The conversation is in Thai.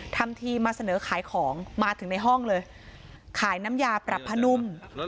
ทำทีมาเสนอขายของมาถึงในห้องเลยขายน้ำยาปรับผ้านุ่ม